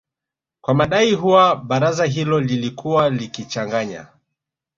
kwa madai kuwa baraza hilo lilikuwa likichanganya